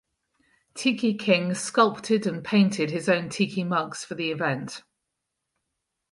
Tiki King sculpted and painted his own tiki mugs for the event.